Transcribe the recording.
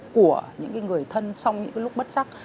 của những người thân trong những lúc bất chắc